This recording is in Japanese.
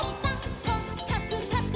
「こっかくかくかく」